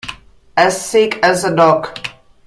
As sick as a dog.